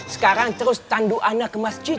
sekarang terus tandu anak ke masjid